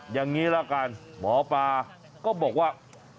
อย่างนี้ละกันหมอปลาก็บอกว่า